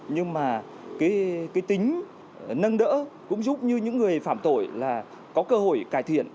nhưng mà cái tính nâng đỡ cũng giúp như những người phạm tội là có cơ hội cải thiện